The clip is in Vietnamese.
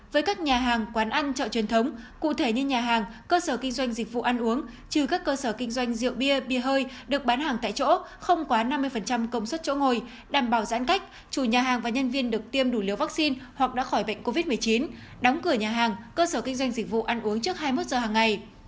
với các nhà hàng quán ăn chợ truyền thống cụ thể như nhà hàng cơ sở kinh doanh dịch vụ ăn uống trừ các cơ sở kinh doanh rượu bia bia hơi được bán hàng tại chỗ không quá năm mươi công suất chỗ ngồi đảm bảo giãn cách chủ nhà hàng và nhân viên được tiêm đủ liều vaccine hoặc đã khỏi bệnh covid một mươi chín đóng cửa nhà hàng cơ sở kinh doanh dịch vụ ăn uống trước hai mươi một giờ hàng ngày